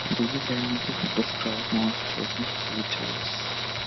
These handbooks describe monsters and creatures.